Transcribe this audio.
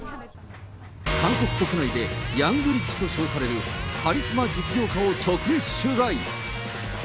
韓国国内でヤングリッチと称されるカリスマ実業家を直撃取材。